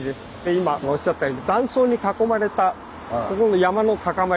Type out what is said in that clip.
今おっしゃったように断層に囲まれたここの山の高まり。